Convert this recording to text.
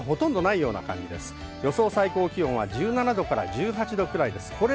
予想最高気温は１７度から１８度くらい。